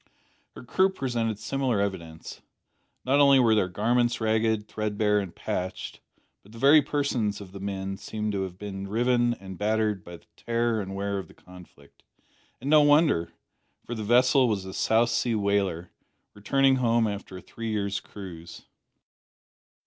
Her crew presented similar evidence. Not only were their garments ragged, threadbare, and patched, but the very persons of the men seemed to have been riven and battered by the tear and wear of the conflict. And no wonder; for the vessel was a South Sea whaler, returning home after a three years' cruise.